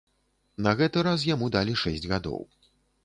На гэты раз яму далі шэсць гадоў.